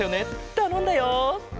たのんだよ。